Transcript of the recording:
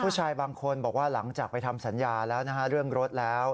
ผู้ชายบางคนบอกว่าหลังจากไปทำสัญญาแล้วนะฮะเรื่องรถแล้ว